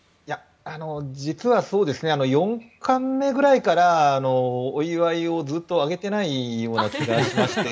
実は四冠目ぐらいからお祝いをずっとあげていないような気がしまして。